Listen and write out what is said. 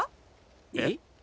えっ？